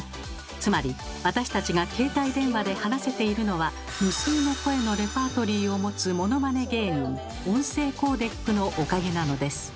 つまり私たちが携帯電話で話せているのは無数の声のレパートリーを持つ「モノマネ芸人」音声コーデックのおかげなのです。